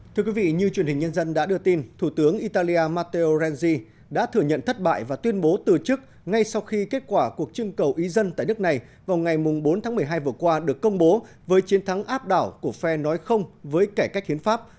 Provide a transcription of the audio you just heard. thưa quý vị như truyền hình nhân dân đã đưa tin thủ tướng italia matterresi đã thừa nhận thất bại và tuyên bố từ chức ngay sau khi kết quả cuộc trưng cầu ý dân tại nước này vào ngày bốn tháng một mươi hai vừa qua được công bố với chiến thắng áp đảo của phe nói không với cải cách hiến pháp